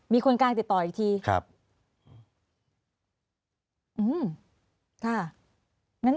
มีคนกลางติดต่ออีกที